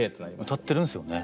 歌ってるんすよね。